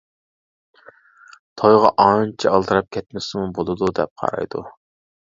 تويغا ئانچە ئالدىراپ كەتمىسىمۇ بولىدۇ، دەپ قارايدۇ.